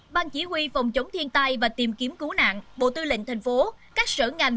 ban chỉ huy phòng chống thiên tai và tìm kiếm cứu nạn bộ tư lệnh tp các sở ngành